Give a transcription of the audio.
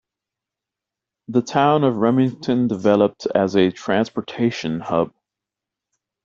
The town of Remington developed as a transportation hub.